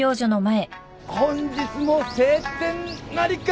本日も晴天なりか！